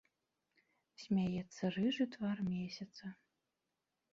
Смяецца рыжы твар месяца.